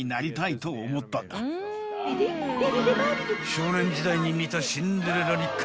［少年時代に見た『シンデレラ』に感動］